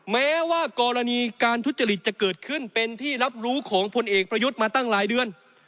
แม้ว่ากรณีการทุจริตจะเกิดขึ้นเป็นที่รับรู้ของพลเอกประยุทธ์มาตั้งหลายเดือน